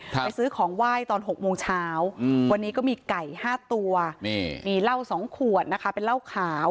ไปซื้อของไหว้ตอน๖โมงเช้าอืมวันนี้ก็มีไก่ห้าตัวนี่มีเหล้าสองขวดนะคะเป็นเหล้าขาว